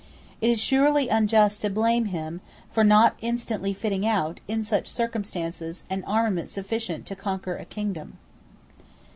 It is surely unjust to blame him for not instantly fitting out, in such circumstances, an armament sufficient to conquer a kingdom.